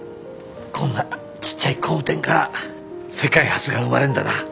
こんなちっちゃい工務店から世界初が生まれんだな。